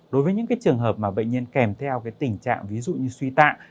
đối với những trường hợp mà bệnh nhân kèm theo tình trạng ví dụ như suy tạng